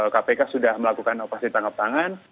kpk sudah melakukan operasi tangkap tangan